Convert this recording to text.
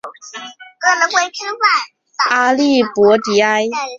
阿利博迪埃。